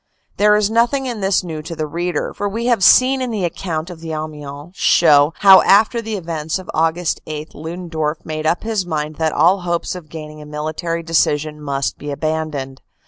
There is nothing in this new to the reader, for we have seen in the account of the Amiens show how after the events of Aug. 8 Ludendorff made up his mind that all hopes of gaining a military decision must be abandoned.